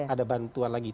ada bantuan lagi